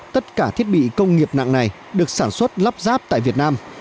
tất cả thiết bị công nghiệp nặng này được sản xuất lắp ráp tại việt nam